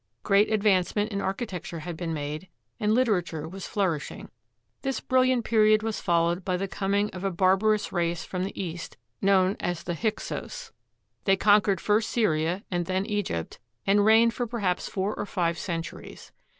Great advancement in architecture had been made, and literature was flourishing. This brilliant period was followed by the coming of a bar barous race from the East known as the Hyksos. They con quered first Syria and then Egypt, and reigned for perhaps four or five centuries.